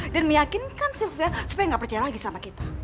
dan meyakinkan sylvia supaya gak percaya lagi sama kita